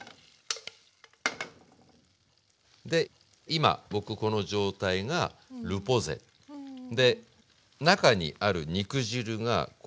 で今僕この状態がルポゼ。で中にある肉汁がこう躍ってるわけですまだ。